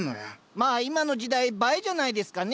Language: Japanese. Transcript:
まあ今の時代映えじゃないですかね。